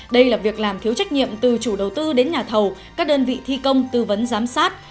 đây là việc làm thiếu trách nhiệm từ chủ đầu tư đến nhà thầu các đơn vị thi công tư vấn giám sát